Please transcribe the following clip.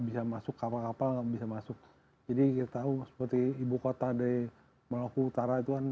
bisa masuk kapal kapal nggak bisa masuk jadi kita tahu seperti ibu kota dari maluku utara itu kan